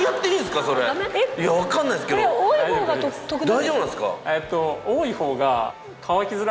大丈夫なんですか？